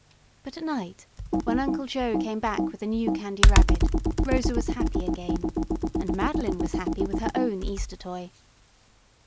But at night, when Uncle Joe came back with a new Candy Rabbit, Rosa was happy again. And Madeline was happy with her own Easter toy.